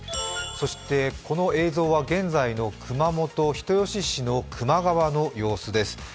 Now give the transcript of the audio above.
そしてこの映像は現在の熊本・人吉市の球磨川の様子です。